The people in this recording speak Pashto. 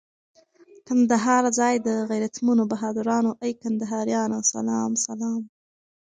کندهار ځای د غیرتمنو بهادرانو، ای کندهاریانو سلام سلام